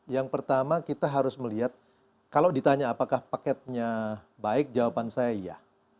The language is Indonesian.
yang pertama kita harus melihat kalau ditanya apakah paketnya baik jawaban saya iya